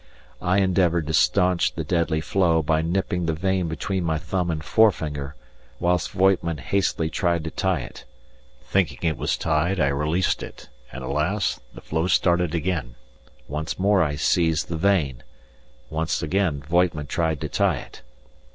I endeavoured to staunch the deadly flow by nipping the vein between my thumb and forefinger, whilst Voigtman hastily tried to tie it. Thinking it was tied, I released it, and alas! the flow at once started again; once more I seized the vein, and once again Voigtman tried to tie it.